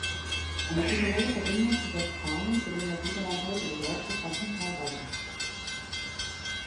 Eine kulturelle Verbindung zu Westfalen, zu dem das Siegerland heute gehört, bestand nur teilweise.